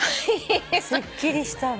すっきりした。